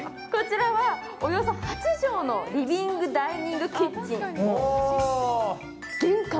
こちらはおよそ８畳のリビングダイニングキッチン。